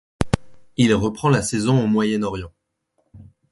Il reprend la saison au Moyen-Orient.